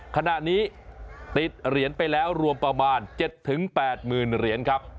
ขณะนี้ติดเหรียญไปแล้วรวมประมาณ๗๘๐๐๐เหรียญครับ